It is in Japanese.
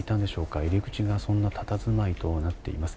入り口がそんな佇まいとなっています。